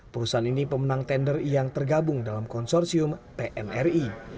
perusahaan ini pemenang tender yang tergabung dalam konsorsium pnri